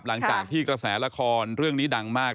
หลังจากที่กระแสละครเรื่องนี้ดังมาก